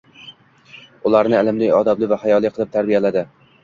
Ularni ilmli, odobli va hayoli qilib tarbiyaladi